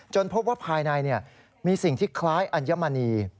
พบว่าภายในมีสิ่งที่คล้ายอัญมณี